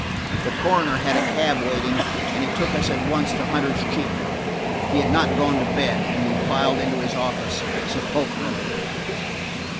The coroner had a cab waiting, and he took us at once to Hunter's chief. He had not gone to bed, and we filed into his library sepulchrally.